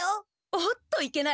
おっといけない。